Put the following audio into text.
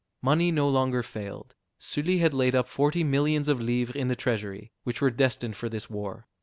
Money no longer failed; Sully had laid up forty millions of livres in the treasury, which were destined for this war.